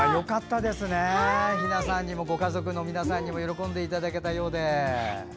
ひなさんにもご家族の皆さんにも喜んでいただけたようで。